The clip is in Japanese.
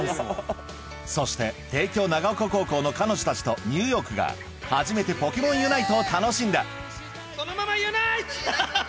そして帝京長岡高校の彼女たちとニューヨークが初めて『ポケモンユナイト』を楽しんだそのままユナイト！